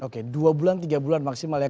oke dua bulan tiga bulan maksimal ya